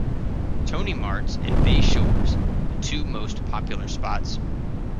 Tony Marts and Bay Shores, the two most popular spots.